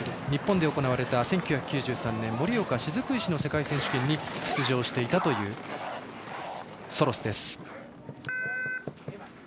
日本で行われた１９９３年盛岡の世界選手権に出場していたというソロスです。